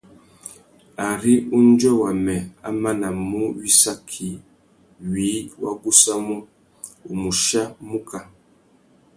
Ari undjuê wamê a manamú wissaki, wiï wa gussamú, u mù chia muká.